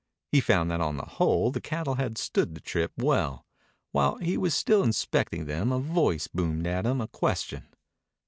He found that on the whole the cattle had stood the trip well. While he was still inspecting them a voice boomed at him a question.